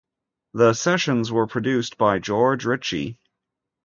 The sessions were produced by George Richey.